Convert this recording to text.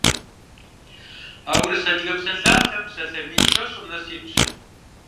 А «Урыс-адыгэ псалъалъэм» псалъэ мин щэщӏым нэс итщ.